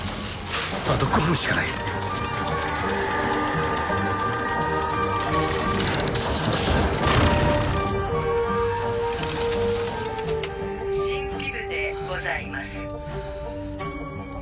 あと５分しかない神秘部でございます